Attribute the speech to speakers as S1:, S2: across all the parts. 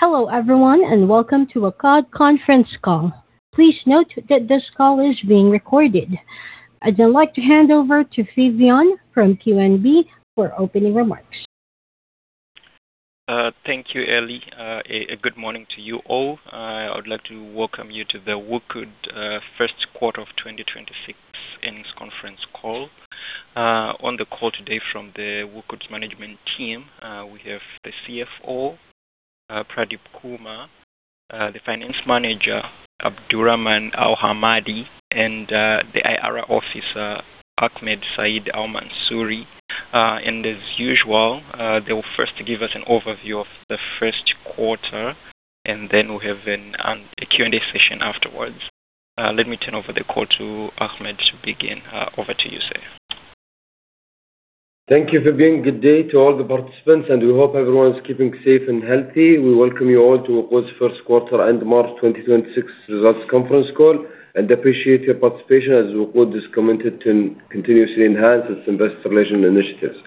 S1: Hello everyone, and welcome to WOQOD conference call. Please note that this call is being recorded. I'd now like to hand over to Phibion from QNB for opening remarks.
S2: Thank you, Ellie. A good morning to you all. I would like to welcome you to the WOQOD first quarter of 2026 earnings conference call. On the call today from the WOQOD management team, we have the CFO, Pradeep Kumar, the Finance Manager, Abdulrahman Al Hammadi, and the IR officer, Ahmed Saeed Al-Mansouri. As usual, they will first give us an overview of the first quarter, and then we'll have a Q&A session afterwards. Let me turn over the call to Ahmed to begin. Over to you, sir.
S3: Thank you Phibion. Good day to all the participants, and we hope everyone's keeping safe and healthy. We welcome you all to WOQOD first quarter ended March 2026 results conference call, and appreciate your participation as WOQOD is committed to continuously enhance its investor relations initiatives.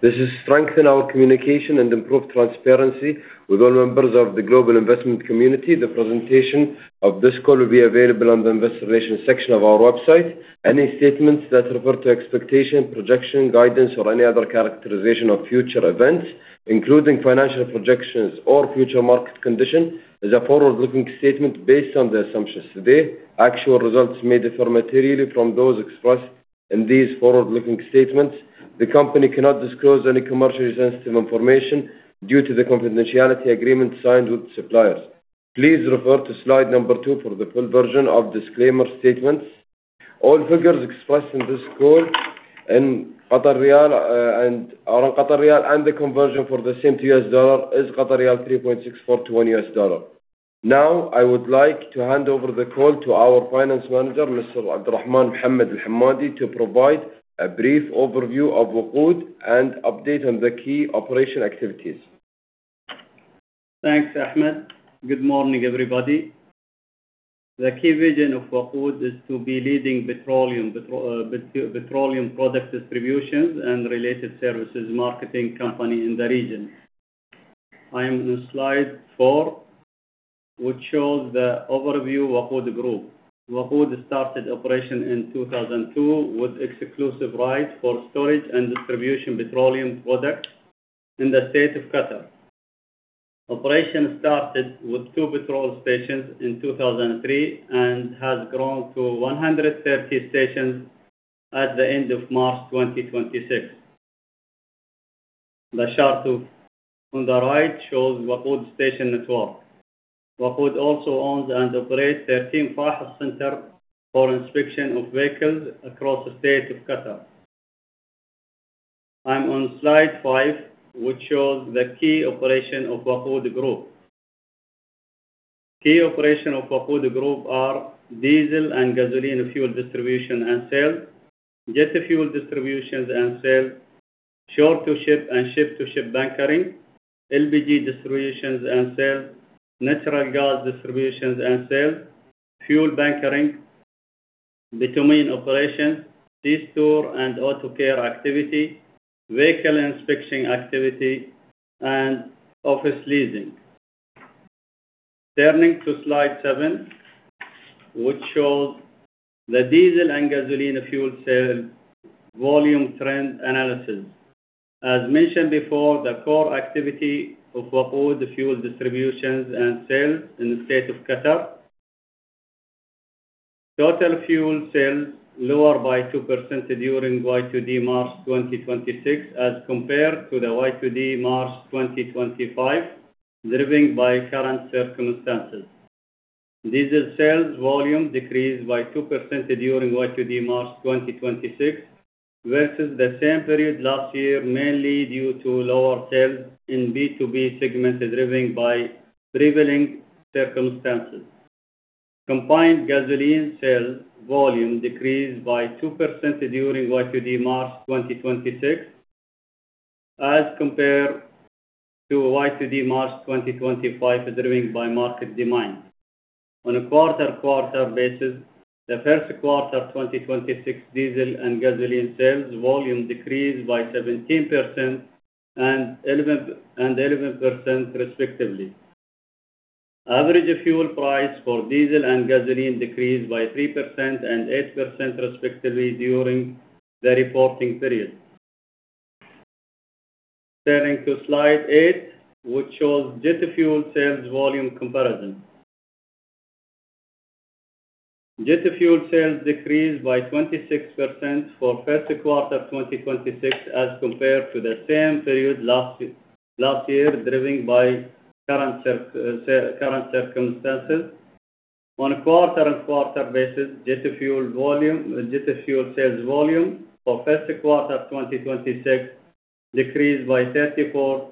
S3: This has strengthened our communication and improved transparency with all members of the global investment community. The presentation of this call will be available on the investor relations section of our website. Any statements that refer to expectations, projections, guidance, or any other characterization of future events, including financial projections or future market conditions, is a forward-looking statement based on the assumptions today. Actual results may differ materially from those expressed in these forward-looking statements. The company cannot disclose any commercially sensitive information due to the confidentiality agreement signed with the suppliers. Please refer to slide number two for the full version of disclaimer statements. All figures expressed in this call are in Qatari riyal, and the conversion for the same to U.S. dollar is 3.64 to $1. Now, I would like to hand over the call to our Finance Manager, Mr. Abdulrahman Mohammed Al-Hammadi, to provide a brief overview of WOQOD and update on the key operational activities.
S4: Thanks, Ahmed. Good morning, everybody. The key vision of WOQOD is to be the leading petroleum product distribution and related services marketing company in the region. I am on slide four, which shows the overview of WOQOD Group. WOQOD started operation in 2002 with exclusive rights for storage and distribution of petroleum products in the state of Qatar. Operation started with two petrol stations in 2003 and has grown to 130 stations at the end of March 2026. The chart on the right shows WOQOD station network. WOQOD also owns and operates 13 FAHES centers for inspection of vehicles across the state of Qatar. I'm on slide five, which shows the key operation of WOQOD Group. Key operations of WOQOD Group are diesel and gasoline fuel distribution and sale, jet fuel distributions and sale, shore-to-ship and ship-to-ship bunkering, LPG distributions and sale, natural gas distributions and sale, fuel bunkering, bitumen operations, C-store and Auto Care activity, vehicle inspection activity, and office leasing. Turning to slide seven, which shows the diesel and gasoline fuel sale volume trend analysis. As mentioned before, the core activity of WOQOD is fuel distributions and sales in the state of Qatar. Total fuel sales lowered by 2% during YTD March 2026 as compared to the YTD March 2025, driven by current circumstances. Diesel sales volume decreased by 2% during YTD March 2026 versus the same period last year, mainly due to lower sales in B2B segment, driven by prevailing circumstances. Combined gasoline sales volume decreased by 2% during YTD March 2026 as compared to YTD March 2025, driven by market demand. On a quarter-on-quarter basis, the first quarter 2026 diesel and gasoline sales volume decreased by 17% and 11% respectively. Average fuel price for diesel and gasoline decreased by 3% and 8% respectively during the reporting period. Turning to slide eight, which shows jet fuel sales volume comparison. Jet fuel sales decreased by 26% for first quarter 2026 as compared to the same period last year, driven by current circumstances. On a quarter-on-quarter basis, jet fuel sales volume for first quarter 2026 decreased by 34%,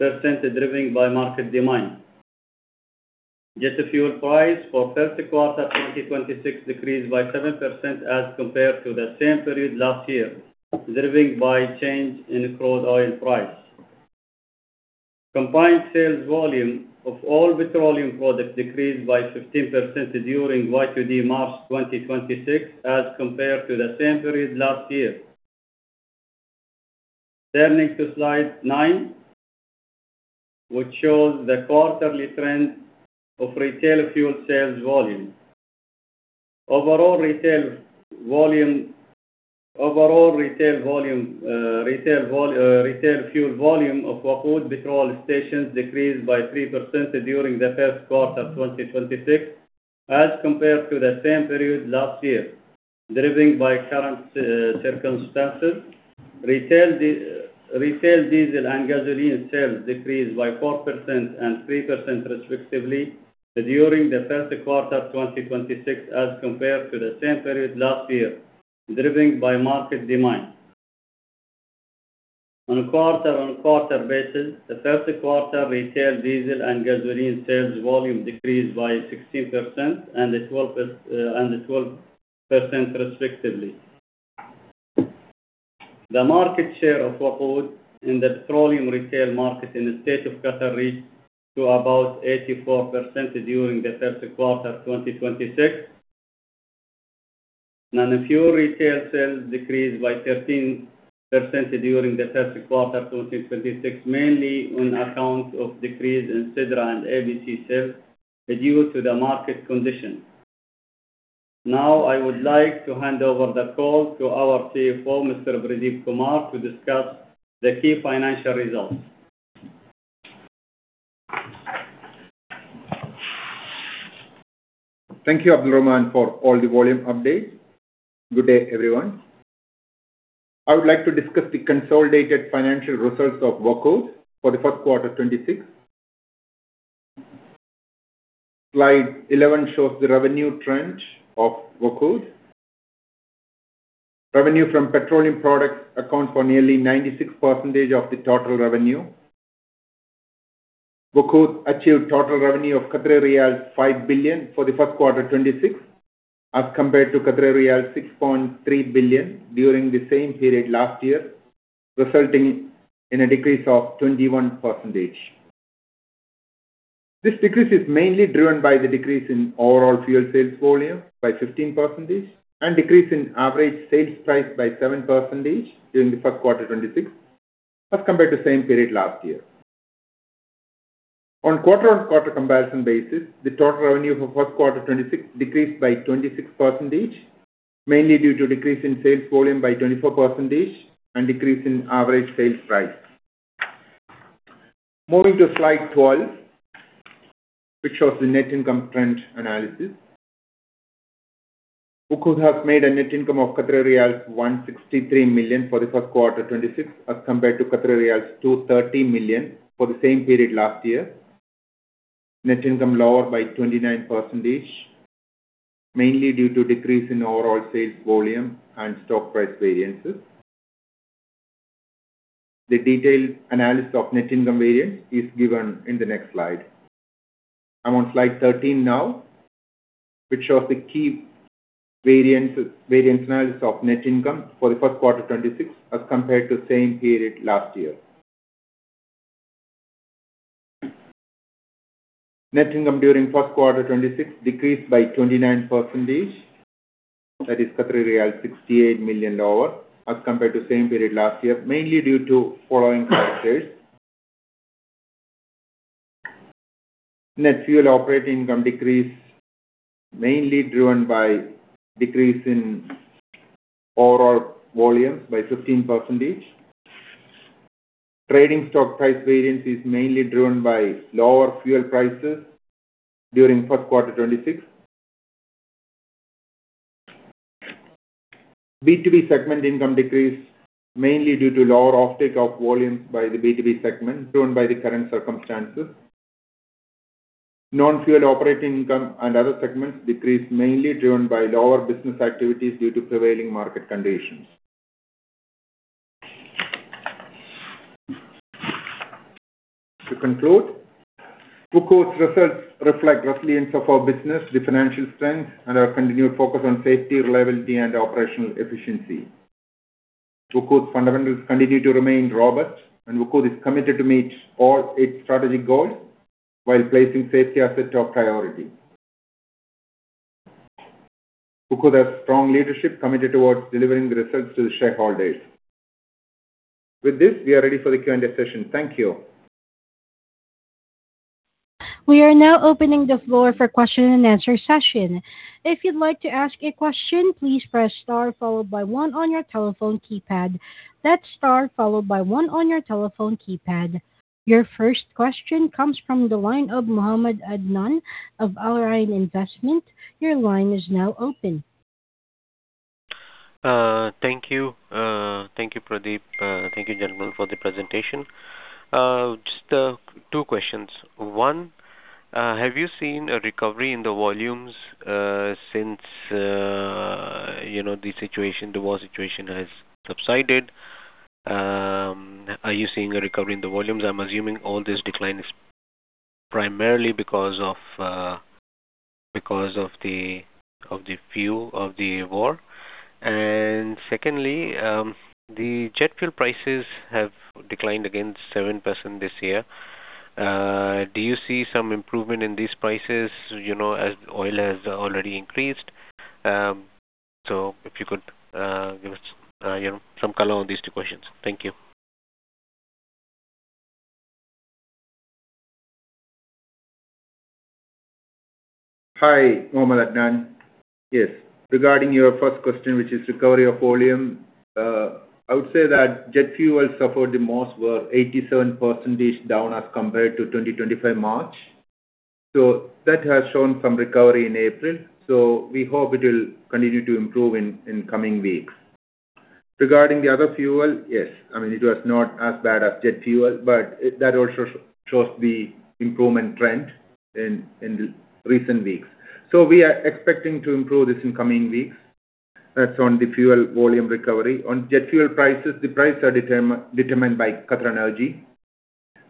S4: driven by market demand. Jet fuel price for first quarter 2026 decreased by 7% as compared to the same period last year, driven by change in crude oil price. Combined sales volume of all petroleum products decreased by 15% during YTD March 2026 as compared to the same period last year. Turning to slide nine, which shows the quarterly trend of retail fuel sales volume. Overall retail fuel volume of WOQOD petrol stations decreased by 3% during the first quarter 2026 as compared to the same period last year, driven by current circumstances. Retail diesel and gasoline sales decreased by 4% and 3% respectively during the first quarter 2026 as compared to the same period last year, driven by market demand. On a quarter-on-quarter basis, the first quarter retail diesel and gasoline sales volume decreased by 16% and 12% respectively. The market share of WOQOD in the petroleum retail market in the State of Qatar reached about 84% during the first quarter 2026. Non-fuel retail sales decreased by 13% during the first quarter 2026, mainly on account of decrease in Sidra and ABC sales due to the market condition. Now, I would like to hand over the call to our CFO, Mr. Pradeep Kumar, to discuss the key financial results.
S5: Thank you, Abdulrahman, for all the volume updates. Good day, everyone. I would like to discuss the consolidated financial results of WOQOD for the first quarter 2026. Slide 11 shows the revenue trend of WOQOD. Revenue from petroleum products account for nearly 96% of the total revenue. WOQOD achieved total revenue of riyal 5 billion for the first quarter 2026, as compared to riyal 6.3 billion during the same period last year, resulting in a decrease of 21%. This decrease is mainly driven by the decrease in overall fuel sales volume by 15% and decrease in average sales price by 7% during the first quarter 2026 as compared to same period last year. On quarter-on-quarter comparison basis, the total revenue for first quarter 2026 decreased by 26%, mainly due to decrease in sales volume by 24% and decrease in average sales price. Moving to slide 12, which shows the net income trend analysis. WOQOD has made a net income of 163 million for the first quarter 2026 as compared to 230 million for the same period last year. Net income lower by 29%, mainly due to decrease in overall sales volume and stock price variances. The detailed analysis of net income variance is given in the next slide. I'm on slide 13 now, which shows the key variance analysis of net income for the first quarter 2026 as compared to same period last year. Net income during first quarter 2026 decreased by 29%, that is 68 million lower as compared to same period last year, mainly due to following factors. Net fuel operating income decrease mainly driven by decrease in overall volume by 15%. Trading stock price variance is mainly driven by lower fuel prices during first quarter 2026. B2B segment income decrease mainly due to lower offtake of volumes by the B2B segment driven by the current circumstances. Non-fuel operating income and other segments decreased, mainly driven by lower business activities due to prevailing market conditions. To conclude, WOQOD's results reflect resilience of our business, the financial strength, and our continued focus on safety, reliability, and operational efficiency. WOQOD's fundamentals continue to remain robust, and WOQOD is committed to meet all its strategic goals while placing safety as a top priority. WOQOD has strong leadership committed towards delivering the results to the shareholders. With this, we are ready for the Q&A session. Thank you.
S1: We are now opening the floor for question and answer session. If you'd like to ask a question, please press star followed by one on your telephone keypad. That's star followed by one on your telephone keypad. Your first question comes from the line of Mohammed Adnan of Al Rayan Investment. Your line is now open.
S6: Thank you. Thank you, Pradeep. Thank you, gentlemen, for the presentation. Just two questions. One, have you seen a recovery in the volumes since the war situation has subsided? Are you seeing a recovery in the volumes? I'm assuming all this decline is primarily because of the fuel, of the war. Secondly, the jet fuel prices have declined again 7% this year. Do you see some improvement in these prices as oil has already increased? If you could give us some color on these two questions. Thank you.
S5: Hi, Mohammed Adnan. Yes. Regarding your first question, which is recovery of volume, I would say that jet fuel suffered the most, was 87% down as compared to 2025 March. That has shown some recovery in April, so we hope it will continue to improve in coming weeks. Regarding the other fuel, yes. I mean, it was not as bad as jet fuel, but that also shows the improvement trend in recent weeks. We are expecting to improve this in coming weeks. That's on the fuel volume recovery. On jet fuel prices, the prices are determined by QatarEnergy,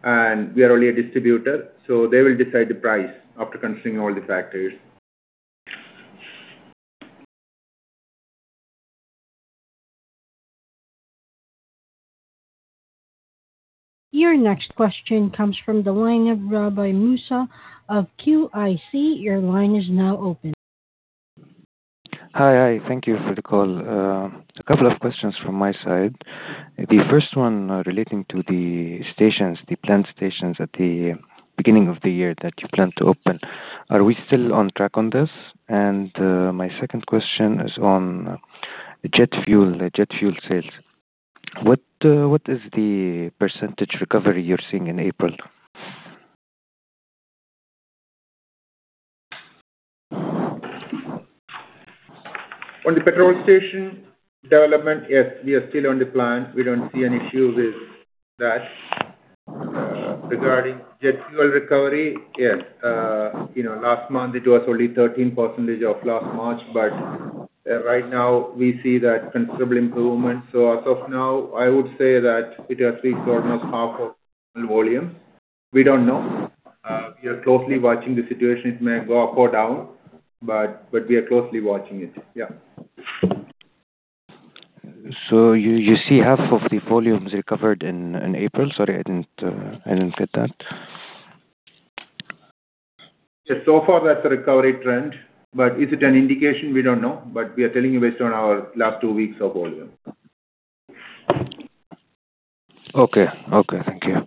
S5: and we are only a distributor, so they will decide the price after considering all the factors.
S1: Your next question comes from the line of Rabih Moussa of QIC. Your line is now open.
S7: Hi. Thank you for the call. A couple of questions from my side. The first one relating to the stations, the planned stations at the beginning of the year that you planned to open. Are we still on track on this? My second question is on jet fuel sales. What is the percentage recovery you're seeing in April?
S5: On the petrol station development, yes, we are still on the plan. We don't see any issue with that. Regarding jet fuel recovery, yes. Last month it was only 13% of last March, but right now we see that considerable improvement. So as of now, I would say that it has reached around half of volume. We don't know. We are closely watching the situation. It may go up or down, but we are closely watching it. Yeah.
S7: You see half of the volumes recovered in April? Sorry, I didn't get that.
S5: So far, that's the recovery trend. Is it an indication? We don't know. We are telling you based on our last two weeks of volume.
S7: Okay. Thank you.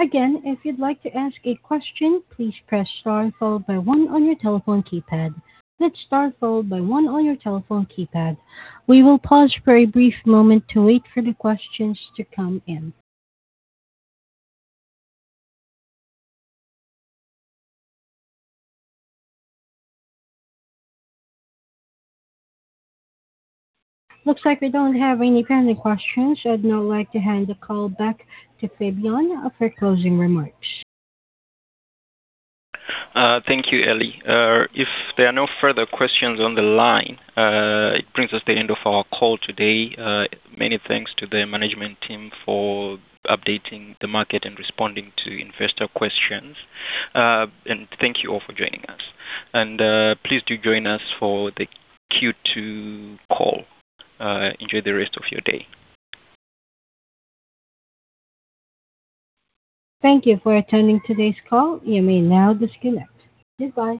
S1: Again, if you'd like to ask a question, please press star followed by one on your telephone keypad, press star followed by one on your telephone keypad We will pause for a brief moment to wait for the questions to come in. Looks like we don't have any pending questions. I'd now like to hand the call back to Phibion for closing remarks.
S2: Thank you, Ellie. If there are no further questions on the line, it brings us to the end of our call today. Many thanks to the management team for updating the market and responding to investor questions. Thank you all for joining us. Please do join us for the Q2 call. Enjoy the rest of your day.
S1: Thank you for attending today's call. You may now disconnect. Goodbye